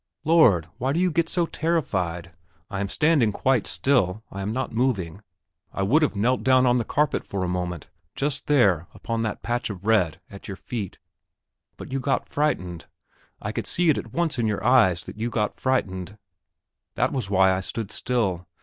Lord, why do you get so terrified. I am standing quite still; I am not moving. I would have knelt down on the carpet for a moment just there, upon that patch of red, at your feet; but you got frightened I could see it at once in your eyes that you got frightened; that was why I stood still.